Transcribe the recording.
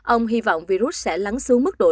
ông hy vọng virus sẽ lắng xuống mức độ